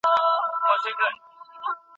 موږ بايد د حق ملاتړ وکړو.